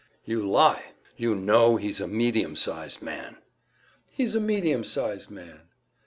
"You lie! You know he's a medium sized man!" "He's a medium sized man."